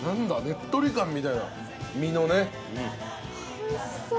おいしそう。